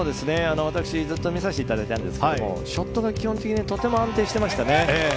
私、ずっと見させていただいたんですけれどもショットが基本的にとても安定していましたね。